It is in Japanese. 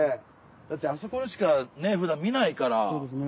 だってあそこしかふだん見ないから。